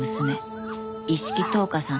一色橙花さん